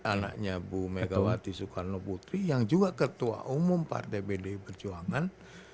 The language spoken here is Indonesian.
anaknya bu megawati soekarno putri yang juga ketua umum partai bdi perjuangan